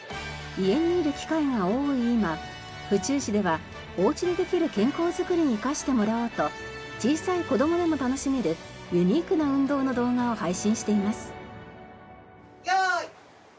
家にいる機会が多い今府中市ではおうちでできる健康作りに生かしてもらおうと小さい子どもでも楽しめるユニークな運動の動画を配信しています。